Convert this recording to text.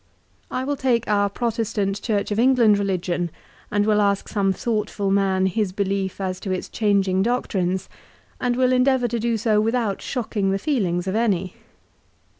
I will take our Protestant Church of England religion and will ask some thoughtful man his belief as to its changing doctrines, and will endeavour to do so without shocking the feelings of any.